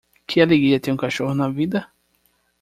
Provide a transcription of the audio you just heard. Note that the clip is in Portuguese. Que alegria ter um cachorro na vida?